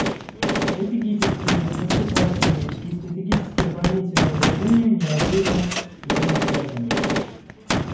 Стратегические наступательные и стратегические оборонительные вооружения неразрывно взаимосвязаны.